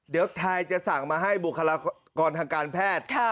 เดี๋ยวไทยจะสั่งมาให้บุคลากรทางการแพทย์